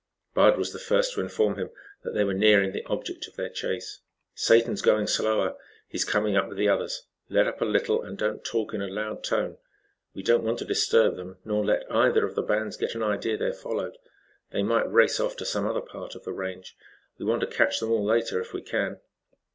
Bud was the first to inform him that they were nearing the object of their chase. "Satan's going slower. He is coming up with the others. Let up a little, and don't talk in a loud tone. We don't want to disturb them nor let either of the bands get an idea they are followed. They might race off to some other part of the range. We want to catch them all later, if we can."